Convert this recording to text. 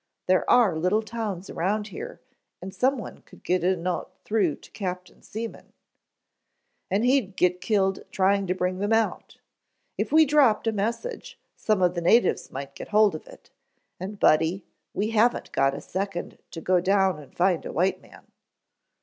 There are little towns around here and someone could get a note through to Captain Seaman " "And he'd get killed trying to bring them out! If we dropped a message, some of the natives might get hold of it, and Buddy, we haven't got a second to go down and find a white man."